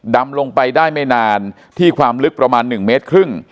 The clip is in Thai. ดำลงไปได้ไม่นานที่ความลึกประมาณ๑เมตรครึ่ง